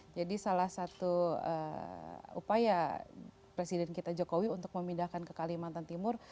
jadi salah satu upaya presiden kita jokowi untuk memindahkan ke kalimantan timur